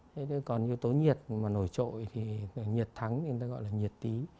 thế còn yếu tố nhiệt mà nổi trội thì nhiệt thắng người ta gọi là nhiệt tí